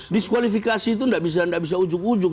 diskualifikasi itu tidak bisa ujung ujung